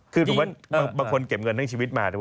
คือสมมุติบางคนเก็บเงินทั้งชีวิตมา